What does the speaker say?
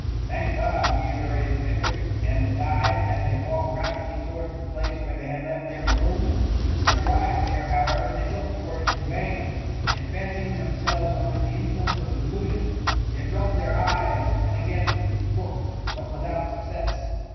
"Thank God!" reiterated Edric and the guide, as they walked rapidly towards the place where they had left their, balloon. When arrived there, however, they looked for it in vain ; and fancying themselves under the influence of a delusion, they rubbed their eyes, and again looked, but without success.